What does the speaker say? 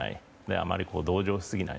あまり同情しすぎない。